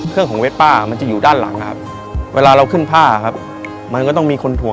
เครื่องของเว็บป้ามันจะอยู่ด้านหลังพอเราขึ้นผ้ามันก็ต้องมีคอนโทรภาพ